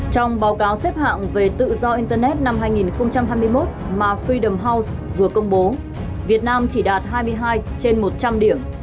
trong báo cáo xếp hạng về tự do internet năm hai nghìn hai mươi một mà fidam house vừa công bố việt nam chỉ đạt hai mươi hai trên một trăm linh điểm